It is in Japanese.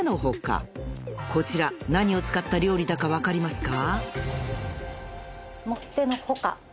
［こちら何を使った料理だか分かりますか？］